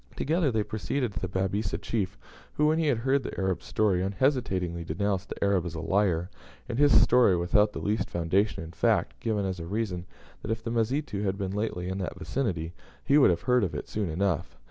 Together, they proceeded to the Babisa chief, who, when he had heard the Arab's story, unhesitatingly denounced the Arab as a liar, and his story without the least foundation in fact; giving as a reason that, if the Mazitu had been lately in that vicinity, he should have heard of it soon enough.